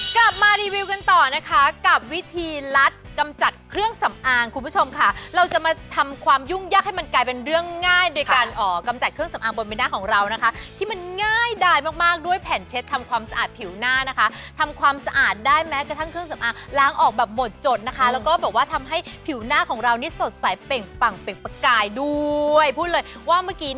กลับมารีวิวกันต่อนะคะกับวิธีลัดกำจัดเครื่องสำอางคุณผู้ชมค่ะเราจะมาทำความยุ่งยากให้มันกลายเป็นเรื่องง่ายโดยการกำจัดเครื่องสำอางบนเมน่าของเรานะคะที่มันง่ายดายมากมากด้วยแผ่นเช็ดทำความสะอาดผิวหน้านะคะทำความสะอาดได้แม้กระทั่งเครื่องสำอางล้างออกแบบหมดจดนะคะแล้วก็บอกว่าทำให้ผิวหน้าของเรานี่สดใสเป่งปังเป่งประกายด้วยพูดเลยว่าเมื่อกี้